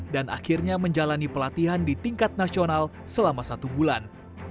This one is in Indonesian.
dan akhirnya menjalani pelatihan di tingkat nasional selama satu bulan